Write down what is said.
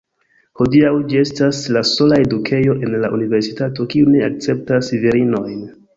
Hodiaŭ ĝi estas la sola edukejo en la universitato kiu ne akceptas virinojn.